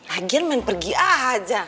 lagian main pergi aja